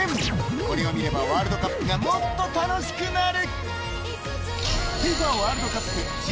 これを見ればワールドカップがもっと楽しくなる！